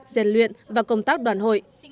diện luyện và công tác đoàn hội